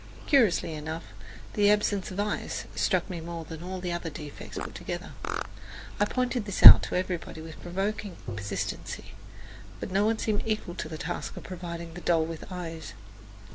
Curiously enough, the absence of eyes struck me more than all the other defects put together. I pointed this out to everybody with provoking persistency, but no one seemed equal to the task of providing the doll with eyes.